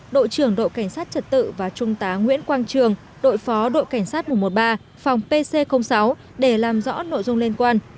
đội trưởng đội cảnh sát trật tự và trung tá nguyễn quang trường đội phó đội cảnh sát một trăm một mươi ba phòng pc sáu để làm rõ nội dung liên quan